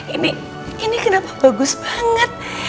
ini kenapa bagus banget